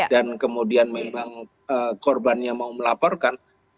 dan kemudian memang korbannya mau melaporkan